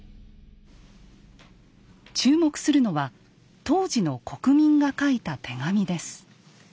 注目するのは当時の国民が書いた手紙です。